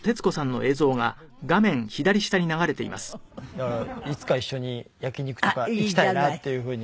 だからいつか一緒に焼き肉とか行きたいなっていうふうにも。